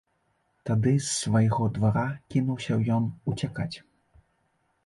Тады з свайго двара кінуўся ён уцякаць.